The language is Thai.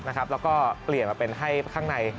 แล้วก็เปลี่ยนมาเป็นให้ข้างใน